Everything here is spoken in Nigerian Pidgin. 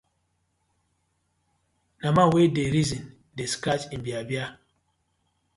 Na man wey dey reason dey scratch im bear-bear.